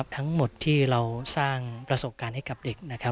ทั้งหมดที่เราสร้างประสบการณ์ให้กับเด็กนะครับ